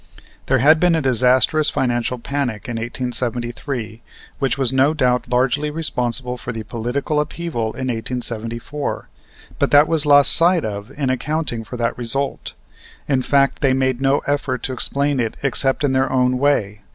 There had been a disastrous financial panic in 1873 which was no doubt largely responsible for the political upheaval in 1874; but that was lost sight of in accounting for that result. In fact they made no effort to explain it except in their own way.